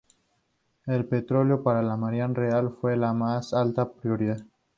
El petróleo para la Marina Real fue la más alta prioridad.